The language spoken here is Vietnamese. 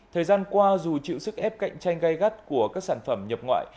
thời gian qua dù chịu sức ép cạnh tranh gây gắt của các sản phẩm nhập ngoại